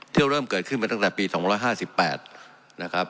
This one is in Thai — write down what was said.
เราเริ่มเกิดขึ้นมาตั้งแต่ปี๒๕๘นะครับ